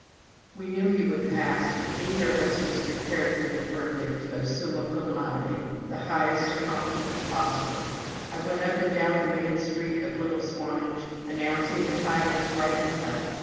We both knew he would pass, but neither of us was prepared for the verdict of "Summa cum laude," the highest accomplishment possible. I went up and down the main street of little Swanage, announcing the tidings right and left.